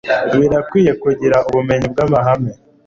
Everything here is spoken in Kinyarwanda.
Birakwiriye kugira ubumenyi bw’amahame